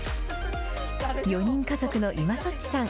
４人家族の今そっちさん。